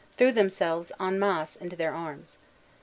threw themselves en masse into their arms.